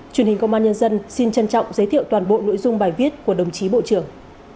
truyền hình công an nhân dân xin trân trọng giới thiệu toàn bộ nội dung bài viết của đồng chí bộ trưởng